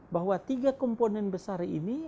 bahwa tiga komponen besar ini